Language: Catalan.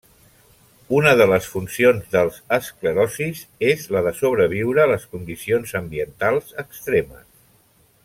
Una de les funcions dels esclerocis és la de sobreviure les condicions ambientals extremes.